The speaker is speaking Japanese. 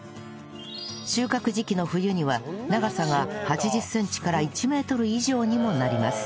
収穫時期の冬には長さが８０センチから１メートル以上にもなります